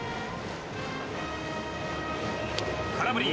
空振り。